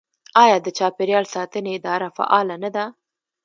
آیا د چاپیریال ساتنې اداره فعاله نه ده؟